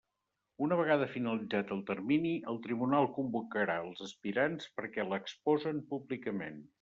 Una vegada finalitzat el termini, el tribunal convocarà els aspirants perquè l'exposen públicament.